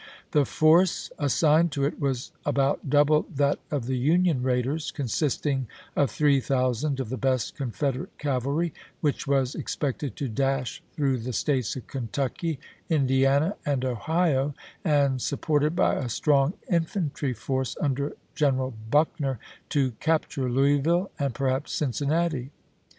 The force assigned to it was about double that of the Union raiders, consisting of three thousand of the best Confederate cavalry, which was ex pected to dash through the States of Kentucky, Indiana, and Ohio, and, supported by a strong infantry force, under General Buckner, to capture Louisville and perhaps Cincinnati.